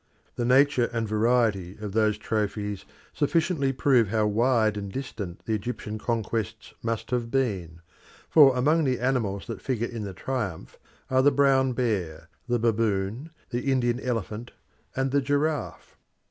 The nature and variety of those trophies sufficiently prove how wide and distant the Egyptian conquests must have been, for among the animals that figure in the triumph are the brown bear, the baboon, the Indian elephant, and the giraffe.